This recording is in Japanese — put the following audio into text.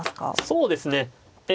そうですねえ